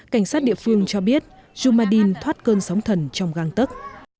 cảnh sát địa phương cho biết jumadin thoát cơn sóng thần trong găng tấc